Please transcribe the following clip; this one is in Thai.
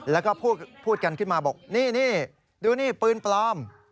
แล้วก็พูดกันขึ้นมาบอกนี่ดูนี่ปืนปลอม